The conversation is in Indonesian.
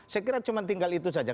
saya kira cuma tinggal itu saja